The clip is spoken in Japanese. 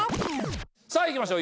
さあいきましょう！